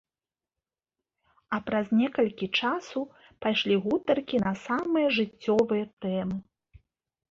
А праз некалькі часу пайшлі гутаркі на самыя жыццёвыя тэмы.